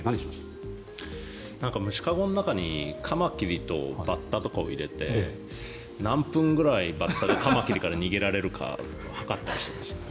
成田さんは子どもの頃虫籠の中にカマキリとかバッタとかを入れて何分ぐらいバッタがカマキリから逃げられるか測ったりしていました。